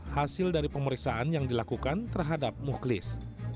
hasil dari pemeriksaan yang dilakukan terhadap muhlis